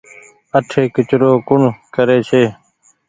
اٺي ڪچرو ڪوڻ ڪري ڇي ۔